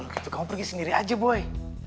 kalau gitu kamu pergi sendiri aja boy